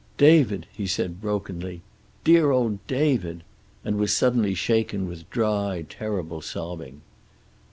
"David!" he said brokenly. "Dear old David!" And was suddenly shaken with dry, terrible sobbing.